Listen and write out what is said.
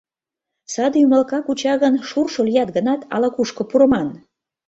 Саде ӱмылка куча гын, шуршо лият гынат, ала-кушко пурыман!